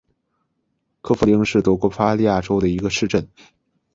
克弗灵是德国巴伐利亚州的一个市镇。